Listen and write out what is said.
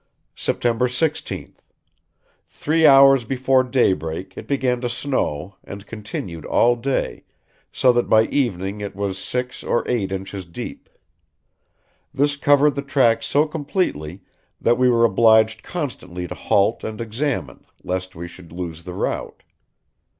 "September 16th. Three hours before daybreak it began to snow, and continued all day, so that by evening it was six or eight inches deep. This covered the track so completely that we were obliged constantly to halt and examine, lest we should lose the route.